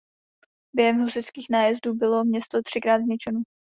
Během husitských nájezdů bylo město třikrát zničeno.